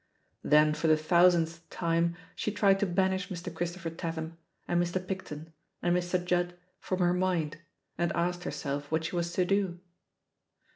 Then for the thousandth time sht tried to banish Mr. Christopher Tatham, and Mr# !Picton» and Mr. Judd from her poind and asked berself what she was to do.